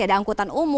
ada angkutan umum